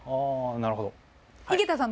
なるほど。